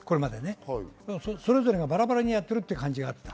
それぞれがバラバラにやっている感じがありました。